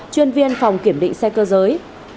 chuyên viên phòng kiểm định xe cơ giới